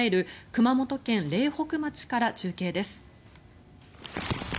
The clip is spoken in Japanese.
熊本県苓北町から中継です。